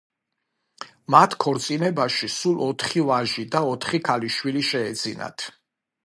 მათ ქორწინებაში სულ ოთხი ვაჟი და ოთხი ქალიშვილი შეეძინათ.